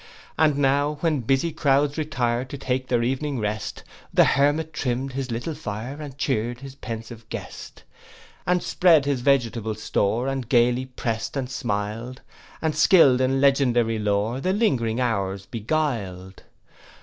And now when busy crowds retire To take their evening rest, The hermit trimm'd his little fire, And cheer'd his pensive guest: And spread his vegetable store, And gayly prest, and smil'd; And skill'd in legendary lore, The lingering hours beguil'd.